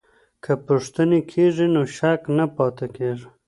که پوښتني کېږي نو شک نه پاته کېږي.